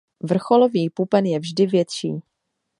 Vrcholový pupen je vždy větší.